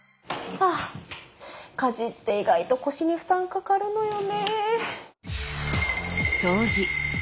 はぁ家事って意外と腰に負担かかるのよね。